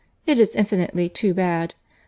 It is infinitely too bad. Mr.